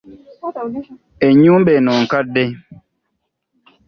Ennyumba eno nkadde.